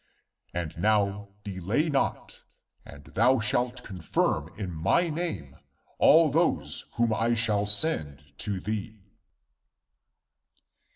And now delay not and thou shalt confirm in my name all those whom I shall send to thee."